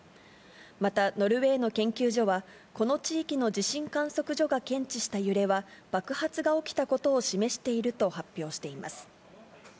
またノルウェーの研究所は、この地域の地震観測所が検知した揺れは、爆発が起きたことを示していると発表しています。